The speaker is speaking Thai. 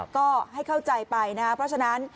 ก็ให้เข้าใจไปนะครับเพราะฉะนั้น